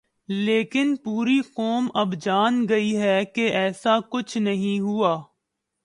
لیکن پوری قوم اب جان گئی ہے کہ ایسا کچھ نہیں ہوا۔